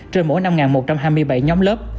trên mỗi năm một trăm hai mươi bảy nhóm lớp